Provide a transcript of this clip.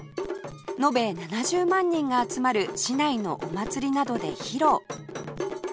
延べ７０万人が集まる市内のお祭りなどで披露